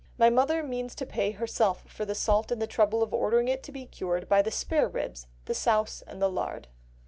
My mother means to pay herself for the salt and the trouble of ordering it to be cured, by the spareribs, the souse, and the lard."